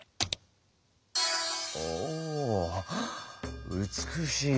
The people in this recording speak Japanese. おお美しい。